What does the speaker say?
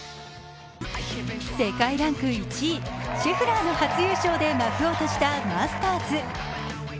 世界ランク１位、シェフラーの初優勝で幕を閉じたマスターズ。